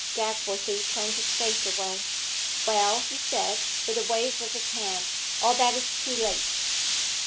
Dagworthy turned his face away. 'Well,' he said, with a wave of the hand, 'all that's too late.'